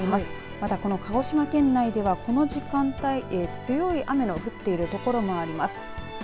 また鹿児島県内ではこの時間帯強い雨が降っている所もあります。